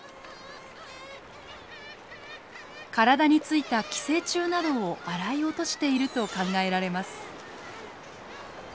体に付いた寄生虫などを洗い落としていると考えられます。